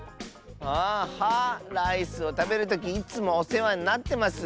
あ「は」。ライスをたべるときいつもおせわになってます！